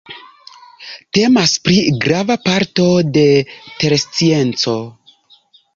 Temas pri grava parto de terscienco.